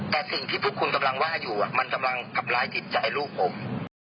แต่สิ่งที่พวกคุณกำลังว่าอยู่มันกำลังทำร้ายจิตใจลูกผม